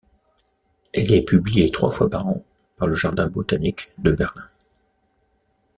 Elle est publiée trois fois par an par le Jardin botanique de Berlin.